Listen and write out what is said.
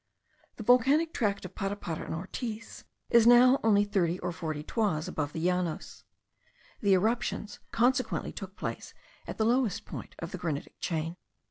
The volcanic tract of Parapara and Ortis is now only 30 or 40 toises above the Llanos. The eruptions consequently took place at the lowest point of the granitic chain.